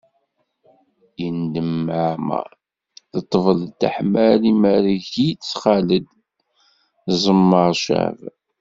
Yendem Ɛmeṛ, D Ṭṭbel Deḥman, Imerreg-itt Xaled, Ẓemmer Ceɛban.